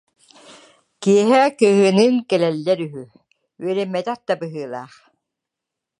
Киэһэ кыыһыныын кэлэллэр үһү, үөрэммэтэх да быһыылаах